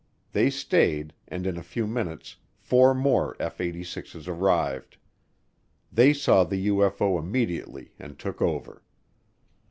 They stayed and in a few minutes four more F 86's arrived. They saw the UFO immediately and took over.